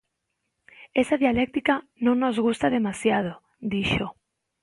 "Esa dialéctica non nos gusta demasiado", dixo.